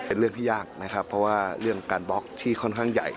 เป็นเรื่องที่ยากนะครับเพราะว่าเรื่องการบล็อกที่ค่อนข้างใหญ่